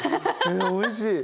えおいしい。